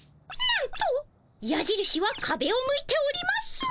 なんとやじるしはかべを向いております。